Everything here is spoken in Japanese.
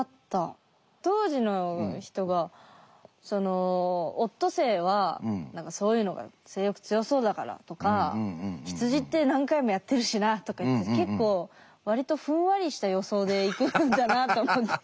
当時の人がオットセイは何かそういうのが性欲強そうだからとか羊って何回もやってるしなとかいって結構わりとふんわりした予想でいくんだなと思って。